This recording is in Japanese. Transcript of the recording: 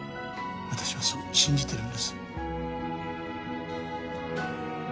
私はそう信じてるんです。